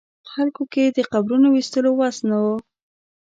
خلکو کې د قبرونو ویستلو وس نه و.